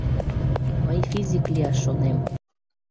— Мый физик лияш шонем...